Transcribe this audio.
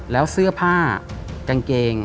แล้วเสื้อผ้ากางเกง